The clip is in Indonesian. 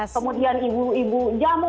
kemudian ibu ibu jamu